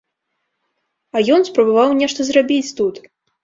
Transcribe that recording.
А ён спрабаваў нешта зрабіць тут!